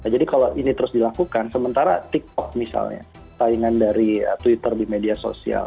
jadi kalau ini terus dilakukan sementara tiktok misalnya taringan dari twitter di media sosial